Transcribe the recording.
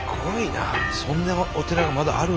そんなお寺がまだあるんだ。